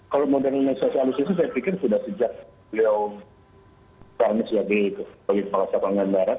kalau modernisasi alusista saya pikir sudah sejak beliau pramis jadi pakasatangang darat